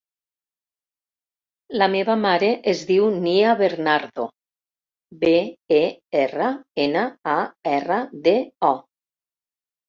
La meva mare es diu Nia Bernardo: be, e, erra, ena, a, erra, de, o.